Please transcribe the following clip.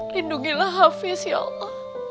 lindungilah hafiz ya allah